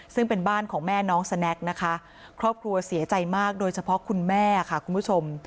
ซึ่งเป็นบ้านของแม่น้องสแน็กนะคะครอบครัวเสียใจมากโดยเฉพาะคุณแม่ค่ะคุณผู้ชม